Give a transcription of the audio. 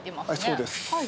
そうです。